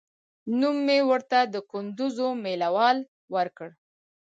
نوم مې ورته د کندوز مېله وال ورکړ.